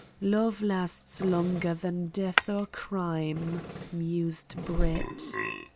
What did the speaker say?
"Love lasts longer than death or crime," mused Brett.